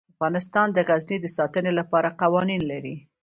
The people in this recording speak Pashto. افغانستان د غزني د ساتنې لپاره قوانین لري.